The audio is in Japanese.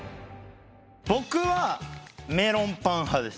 僕はメロンパン派です！